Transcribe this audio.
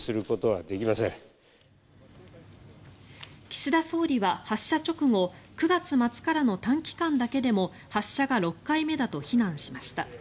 岸田総理は発射直後９月末からの短期間だけでも発射が６回目だと非難しました。